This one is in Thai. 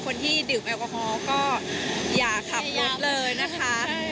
คนที่ดื่มแอลกอฮอล์ก็อย่าขับรถเลยนะคะ